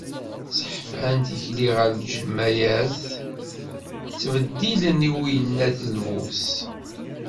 Sseḥfan tikli ɣer leğmayat, ttbeddilen i uyennat lbus.